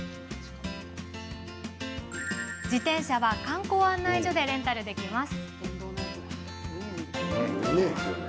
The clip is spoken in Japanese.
自転車は観光案内所でレンタルできます。